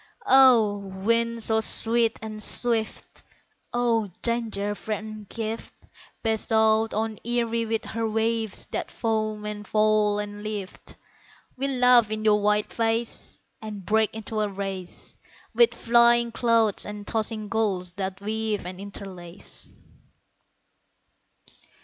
O! wind so sweet and swift, O! danger freighted gift Bestowed on Erie with her waves that foam and fall and lift, We laugh in your wild face, And break into a race With flying clouds and tossing gulls that weave and interlace.